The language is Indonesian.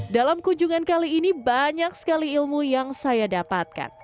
dalam kunjungan kali ini banyak sekali ilmu yang saya dapatkan